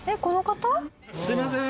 すいません。